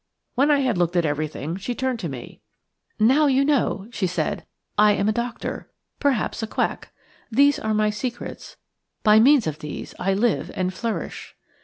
When I had looked at everything, she turned to me. "Now you know," she said. "I am a doctor – perhaps a quack. These are my secrets. By means of these I live and flourish."